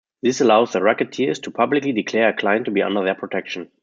This allows the racketeers to publicly declare a client to be under their protection.